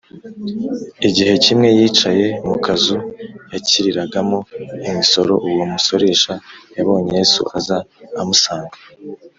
igihe kimwe yicaye mu kazu yakiriragamo imisoro, uwo musoresha yabonye yesu aza amusanga